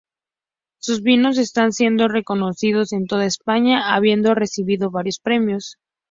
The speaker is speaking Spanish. Sus vinos están siendo reconocidos en toda España, habiendo recibido varios premios.